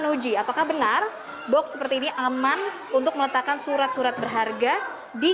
noji apakah benar box seperti ini aman untuk meletakkan surat surat berharga di